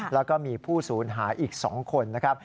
แล้วก็มีผู้สูญหายอีก๒คนนะครับ